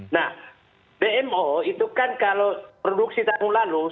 nah dmo itu kan kalau produksi tahun lalu